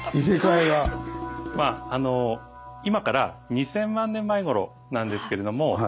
まあ今から２，０００万年前ごろなんですけれども。